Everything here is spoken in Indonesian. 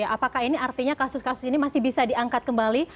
apakah ini artinya kasus kasus ini masih bisa diangkat kembali